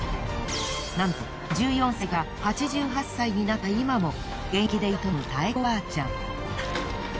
なんと１４歳から８８歳になった今も現役で営む妙子おばあちゃん。